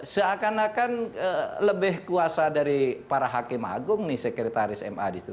seakan akan lebih kuasa dari para hakim agung nih sekretaris ma di situ